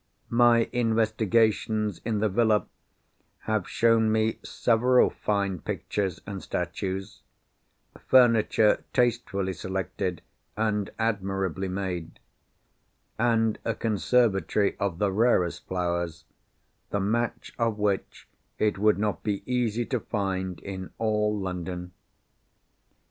My investigations in the villa have shown me several fine pictures and statues; furniture tastefully selected, and admirably made; and a conservatory of the rarest flowers, the match of which it would not be easy to find in all London.